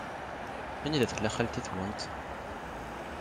Anida tella xalti-twent?